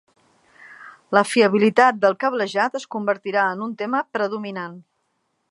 La fiabilitat del cablejat es convertirà en un tema predominant.